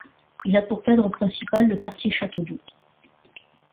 Il a pour cadre principal le quartier Château d'Eau.